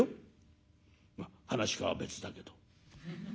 噺家は別だけど。